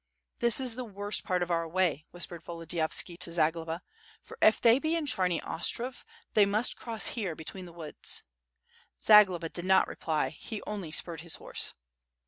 "This is the worst part of our way," whispered Volodi yovski to Zagloba, "for if they be in Charny Ostrov, they must cross here between the woods." Zagloba did not reply; he only spurred his horse.